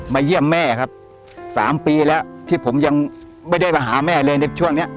เยี่ยมแม่ครับ๓ปีแล้วที่ผมยังไม่ได้มาหาแม่เลยในช่วงนี้